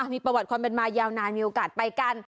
มีประวัติความเป็นมายาวนานมีโอกาสไปกัน